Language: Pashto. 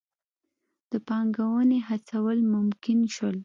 د پانګونې هڅول ممکن شول.